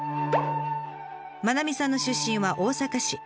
愛さんの出身は大阪市。